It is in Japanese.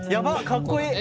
かっこいい！